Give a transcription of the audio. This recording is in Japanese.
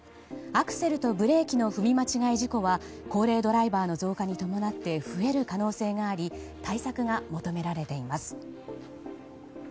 アクセルとブレーキの踏み間違い事故は高齢ドライバーの増加に伴い増える可能性があり対策が求められています。